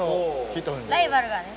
ライバルがね。